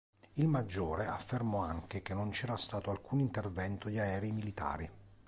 Il maggiore affermò anche che non c’era stato alcun intervento di aerei militari.